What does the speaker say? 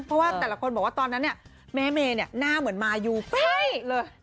บางคนบอกว่าตอนนั้นเนี่ยแม่เมเนี่ยหน้าเหมือนมายูไปเลย